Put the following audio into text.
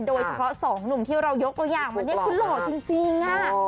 โดยเฉพาะสองหนุ่มที่เรายกตัวอย่างมานี่คือหล่อจริง